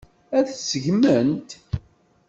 Ad t-seggment?